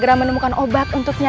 nah ini maliknya